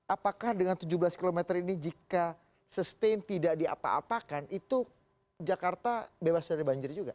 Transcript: apakah dengan tujuh belas km ini jika sustain tidak diapa apakan itu jakarta bebas dari banjir juga